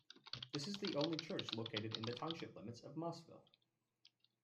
This is the only church located in the township limits of Mossville.